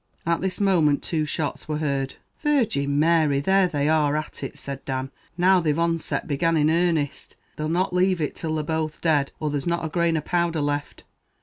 At this moment two shots were heard. "Virgin Mary! there they are at it," said Dan; "now they're oncet began in arnest, they'll not lave it till they're both dead, or there's not a grain of powdher left.